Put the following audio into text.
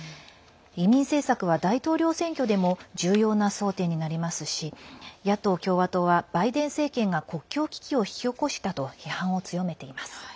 移民政策は大統領選挙でも重要な争点になりますし野党・共和党は、バイデン政権が国境危機を引き起こしたと批判を強めています。